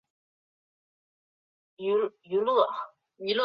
拟螺距翠雀花为毛茛科翠雀属下的一个种。